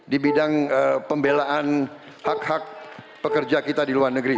di bidang pembelaan hak hak pekerja kita di luar negeri